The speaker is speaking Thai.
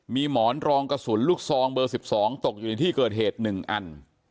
มีหมอนรองกระสุนลูกซองเบอร์๑๒ตกอยู่ในที่เกิดเหตุ๑อัน